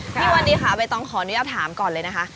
พี่วันนี้ค่ะใบตองขออนุญาตถามก่อนเลยนะคะ